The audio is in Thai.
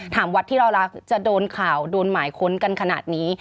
วัดที่เรารักจะโดนข่าวโดนหมายค้นกันขนาดนี้